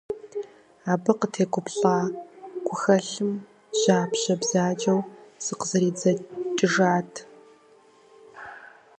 Абы къытегуплӏа гухэлъым жьапщэ бзаджэу зыкъызэридзэкӏыжат.